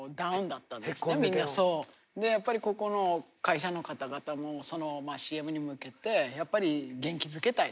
やっぱりここの会社の方々もＣＭに向けてやっぱり元気づけたい。